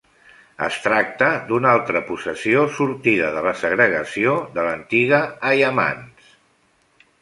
Es tracta d'una altra possessió sortida de la segregació de l'antiga Aiamans.